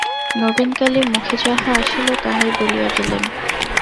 নবীনকালী মুখে যাহা আসিল তাহাই বলিয়া গেলেন।